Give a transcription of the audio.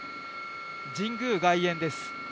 神宮外苑です。